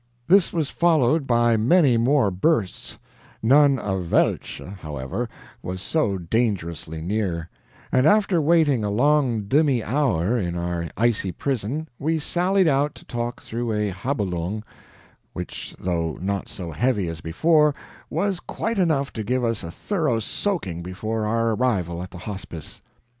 This was followed by many more bursts, none of WELCHE, however, was so dangerously near; and after waiting a long DEMI hour in our icy prison, we sallied out to talk through a HABOOLONG which, though not so heavy as before, was quite enough to give us a thorough soaking before our arrival at the Hospice.